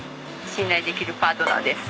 信頼できるパートナーです。